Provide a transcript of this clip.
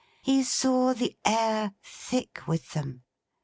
He saw the air thick with them.